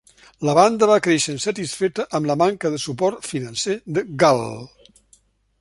La banda va créixer insatisfeta amb la manca de suport financer de Gull.